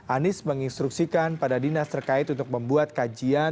anies menginstruksikan pada dinas terkait untuk membuat kajian